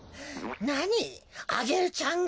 なにアゲルちゃんが？